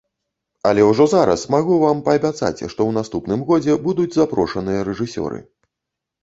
Але ўжо зараз магу вам паабяцаць, што ў наступным годзе будуць запрошаныя рэжысёры.